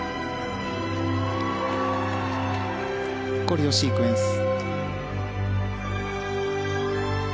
コレオシークエンス。